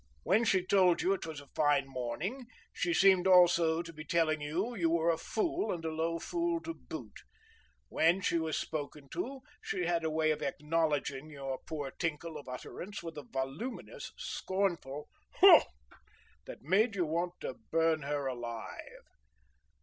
When she told you it was a fine morning, she seemed also to be telling you you were a fool and a low fool to boot; when she was spoken to, she had a way of acknowledging your poor tinkle of utterance with a voluminous, scornful "Haw!" that made you want to burn her alive.